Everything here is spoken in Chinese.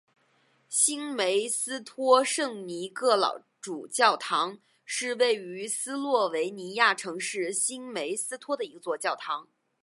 新梅斯托圣尼各老主教座堂是位于斯洛维尼亚城市新梅斯托的一座教堂。